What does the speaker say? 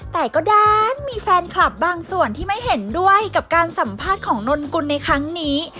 แต่ก็ด้านมีแฟนคลับบางส่วนที่ไม่เห็นด้วยกับการสัมภาษณ์ของนนกุลในครั้งนี้